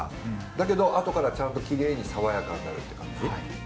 だけどあとからちゃんときれいに爽やかになるって感じ。